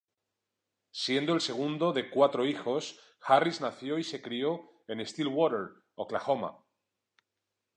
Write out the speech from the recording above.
Siendo el segundo de cuatro hijos, Harris nació y se crio en Stillwater, Oklahoma.